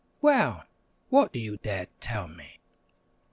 Well, what do you dare tell me?"